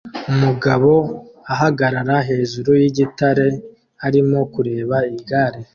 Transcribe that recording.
Umugabo ahagarara hejuru yigitare arimo kureba igare